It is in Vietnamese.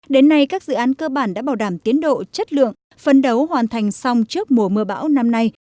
đến nay các dự án cơ bản đã bảo đảm tiến độ chất lượng phân đấu hoàn thành xong trước mùa mưa bão năm nay